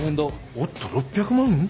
おっと６００万？